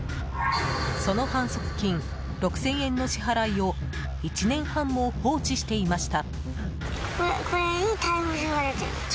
その反則金６０００円の支払いを１年半も放置していました。